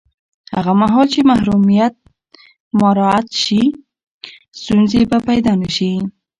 هغه مهال چې محرمیت مراعت شي، ستونزې به پیدا نه شي.